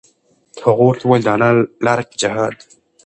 هغو ورته وویل: د الله لاره کې جهاد.